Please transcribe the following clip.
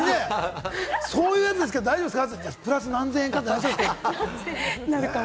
そういうやつですけれども、大丈夫ですか？